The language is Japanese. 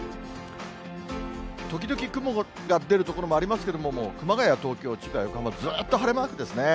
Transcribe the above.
時々雲が出る所もありますけれども、もう熊谷、東京、千葉、横浜、ずっと晴れマークですね。